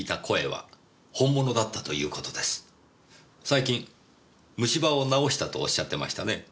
最近虫歯を治したとおっしゃってましたね。